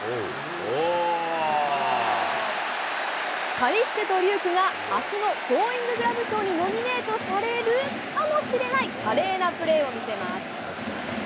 カリステと龍空があすのゴーインググラブ賞にノミネートされるかもしれない、華麗なプレーを見せます。